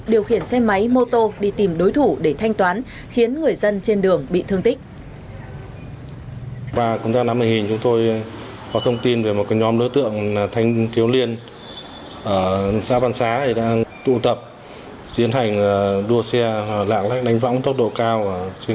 điều khiển xe máy mô tô đi tìm đối thủ để thanh toán khiến người dân trên đường bị thương tích